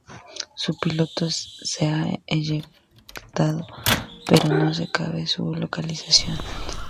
Su piloto se ha eyectado, pero no se sabe su localización.